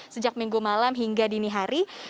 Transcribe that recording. sejak minggu malam hingga dini hari